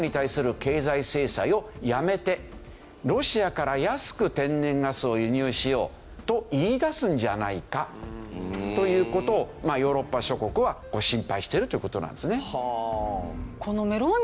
ロシアから安く天然ガスを輸入しようと言いだすんじゃないか？という事をヨーロッパ諸国は心配しているという事なんですね。